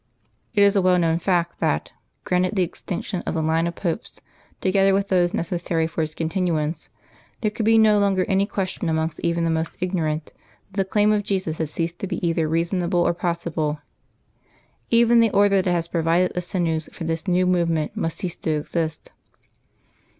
It is a well known fact that, granted the extinction of the line of Popes, together with those necessary for its continuance, there could be no longer any question amongst even the most ignorant that the claim of Jesus had ceased to be either reasonable or possible. Even the Order that has provided the sinews for this new movement must cease to exist.